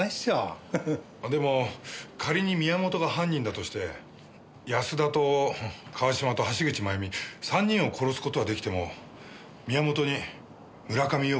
でも仮に宮本が犯人だとして安田と川島と橋口まゆみ３人を殺す事は出来ても宮本に村上陽子を殺す事は出来ません。